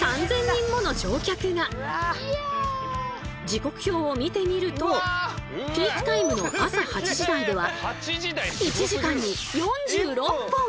時刻表を見てみるとピークタイムの朝８時台では同時じゃん。